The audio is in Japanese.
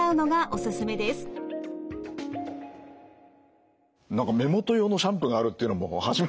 何か目元用のシャンプーがあるっていうのも初めて知ったんですけども。